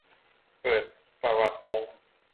เปิดประวัติวง